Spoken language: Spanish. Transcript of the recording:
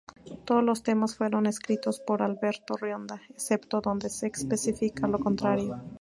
Todos los temas fueron escritos por Alberto Rionda, excepto donde se especifique lo contrario.